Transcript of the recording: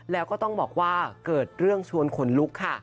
แล้วก็ต้องบอกว่าเกิดเรื่องชวนขนลุกค่ะ